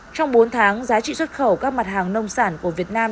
trong bốn tháng giá trị xuất khẩu các mặt hàng nông sản của việt nam